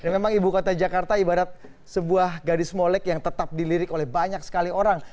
memang ibu kota jakarta ibarat sebuah gadis molek yang tetap dilirik oleh banyak sekali orang